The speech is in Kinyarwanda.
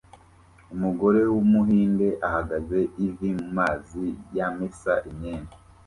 Umugore wumuhinde ahagaze ivi mumazi yamesa imyenda